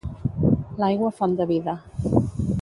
L'aigua font de vida